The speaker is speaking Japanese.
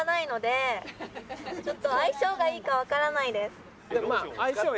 ちょっと相性がいいかわからないです。